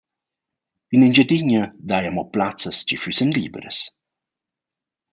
In Engiadina daja amo plazzas chi füssan libras.